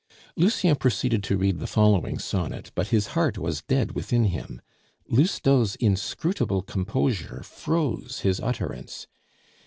Lucien proceeded to read the following sonnet, but his heart was dead within him; Lousteau's inscrutable composure froze his utterance.